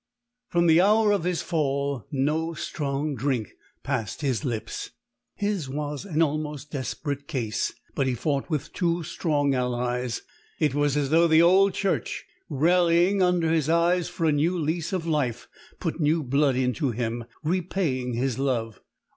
From the hour of his fall no strong drink passed his lips. His was an almost desperate case, but he fought with two strong allies. It was as though the old church, rallying under his eyes for a new lease of life, put new blood into him, repaying his love.